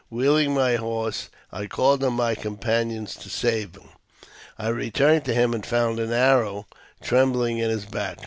Wheeling my horse, I called on my companions to save him . I returned to him, and found an arrow trembling in his back.